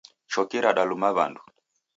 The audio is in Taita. Choki radaluma wandu.